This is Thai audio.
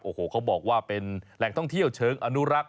โอ้โหเขาบอกว่าเป็นแหล่งท่องเที่ยวเชิงอนุรักษ์